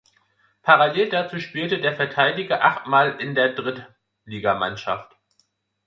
Parallel dazu spielte der Verteidiger achtmal in der Drittligamannschaft.